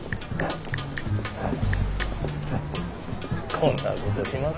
こんなことします？